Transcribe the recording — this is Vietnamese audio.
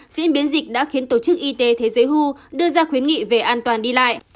diễn biến dịch đã khiến tổ chức y tế thế giới hu đưa ra khuyến nghị về an toàn đi lại